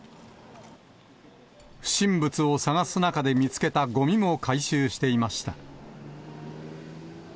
不審物を探す中で見つけたごみも回収していました。